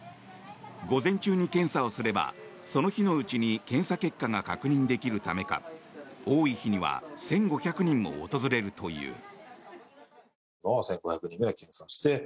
午前中に検査をすればその日のうちに検査結果が確認できるためか多い日には１５００人も訪れるという。